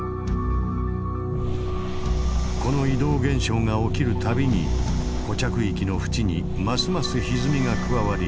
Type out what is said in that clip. この移動現象が起きる度に固着域の縁にますますひずみが加わり